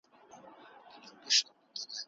آیا د پوښتنو مطرح کول د ذهن دروازې پرانیزي؟